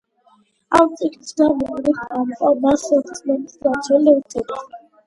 ამ წიგნის გამო რომის პაპმა მას „რწმენის დამცველი“ უწოდა.